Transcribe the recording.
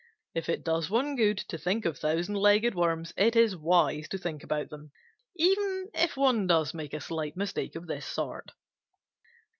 If it does one good to think of Thousand Legged Worms, it is wise to think about them, even if one does make a slight mistake of this sort.